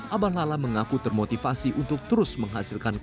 abah lala mengaku termotivasi untuk terus menghasilkan lagu ojo di bandingke